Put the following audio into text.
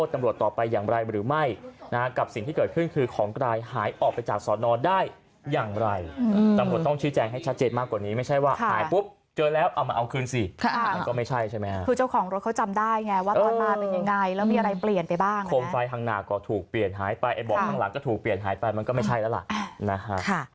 ตำรวจต้องชี้แจงให้ชัดเจนมากกว่านี้ไม่ใช่ว่าหายปุ๊บเจอแล้วเอามาเอาคืนสิมันก็ไม่ใช่ใช่ไหมฮะคือเจ้าของรถเขาจำได้ไงว่าตอนมาเป็นยังไงแล้วมีอะไรเปลี่ยนไปบ้างโคมไฟข้างหน้าก็ถูกเปลี่ยนหายไปไอ้เบาะข้างหลังก็ถูกเปลี่ยนหายไปมันก็ไม่ใช่แล้วล่ะนะฮะ